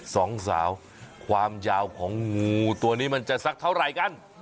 สองสาวความยาวของงูตัวนี้มันจะสักเท่าไหร่กัน